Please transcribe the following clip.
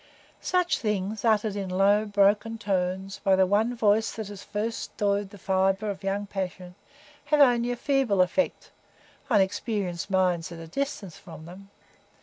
Such things, uttered in low, broken tones by the one voice that has first stirred the fibre of young passion, have only a feeble effect—on experienced minds at a distance from them.